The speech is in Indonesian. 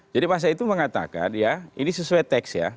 jadi masa itu mengatakan ya ini sesuai teks ya